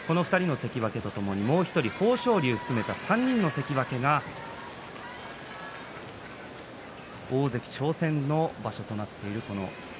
２人の関脇とともに、もう１人豊昇龍を含めた３人の関脇が大関昇進を目指す場所となっています。